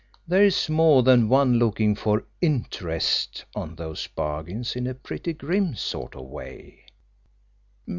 There's more than one looking for 'interest' on those bargains in a pretty grim sort of way."